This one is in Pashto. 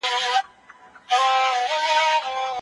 رڼا په تیاره کې خپره شوه.